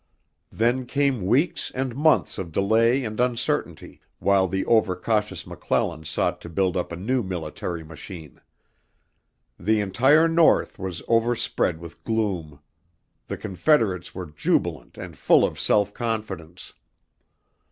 Then came weeks and months of delay and uncertainty while the overcautious McClellan sought to build up a new military machine. The entire North was overspread with gloom; the Confederates were jubilant and full of self confidence.